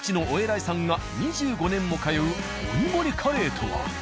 いさんが２５年も通う鬼盛りカレーとは！？